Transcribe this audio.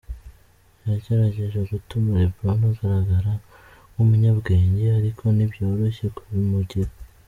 "Yagerageje gutuma Lebron agaragara nk'umunyabwenge, ariko ntibyoroshye kubimugira.